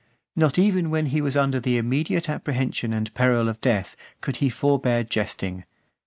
Not even when he was under the immediate apprehension and peril of death, could he forbear jesting.